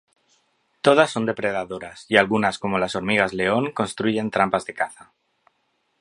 Todas son depredadoras y algunas, como las hormigas león, construyen trampas de caza.